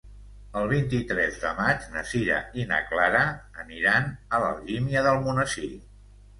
El vint-i-tres de maig na Sira i na Clara aniran a Algímia d'Almonesir.